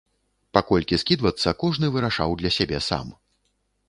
Па колькі скідвацца, кожны вырашаў для сябе сам.